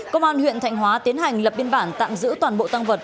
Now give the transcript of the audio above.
công an huyện thạnh hóa tiến hành lập biên bản tạm giữ toàn bộ tăng vật